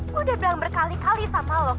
gue udah bilang berkali kali sama lo